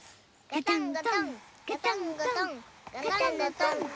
ガタンゴトンガタンゴトン。